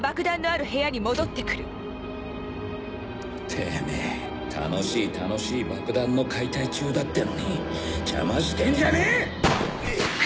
てめぇ楽しい楽しい爆弾の解体中だってのに邪魔してんじゃねえ！